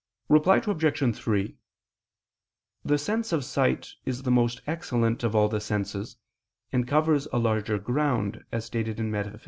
Reply Obj. 3: The sense of sight is the most excellent of all the senses, and covers a larger ground, as stated in _Metaph.